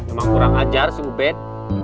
emang kurang ajar si ubed